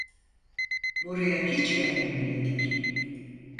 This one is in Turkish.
Buraya hiç gelmemeliydik.